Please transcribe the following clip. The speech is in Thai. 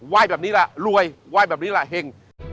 ว่ายแบบนี้ละรวยว่ายแบบนี้ล่ะเห็น